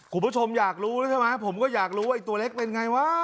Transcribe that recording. คุณผู้ชมอยากรู้แล้วใช่ไหมผมก็อยากรู้ว่าไอ้ตัวเล็กเป็นไงวะ